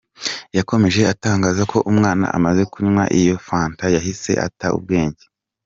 Yakomeje atangaza ko umwana amaze kunywa iyo fanta yahise ata ubwenge.